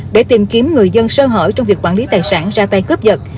để tìm kiếm người dân sơ hở trong việc quản lý tài sản ra tay cướp giật